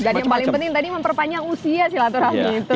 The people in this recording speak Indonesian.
dan yang paling penting tadi memperpanjang usia si latur hamid itu ya